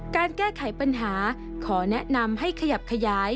การแก้ไขปัญหาขอแนะนำให้ขยับขยาย